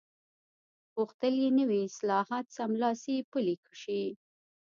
غوښتل یې نوي اصلاحات سملاسي پلي شي.